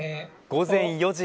午前４時。